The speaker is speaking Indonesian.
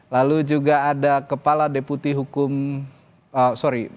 lalu juga ada kepala deputi hukum sorry